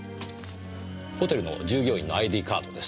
ホテルの従業員のＩＤカードです。